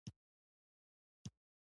د متن جمع "مُتون" او "مِتان" ده.